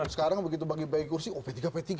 sekarang begitu bagi bagi kursi oh p tiga p tiga